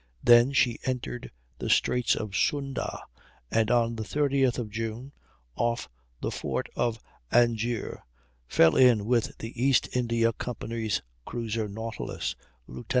Then she entered the Straits of Sunda, and on the 30th of June, off the fort of Anjier fell in with the East India Company's cruiser Nautilus, Lieut.